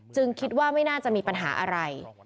คิดว่าไม่น่าจะมีปัญหาอะไร